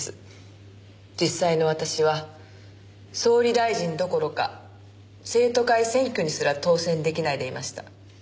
実際の私は総理大臣どころか生徒会選挙にすら当選出来ないでいました。